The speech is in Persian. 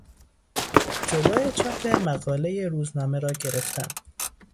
جلو چاپ مقالهی روزنامه را گرفتن